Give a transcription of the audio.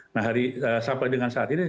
nah hari sampai dengan saat ini